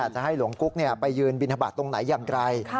จะให้หลวงกุ๊กไปยืนบินทบาทตรงไหนอย่างไร